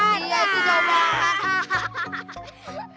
iya jauh banget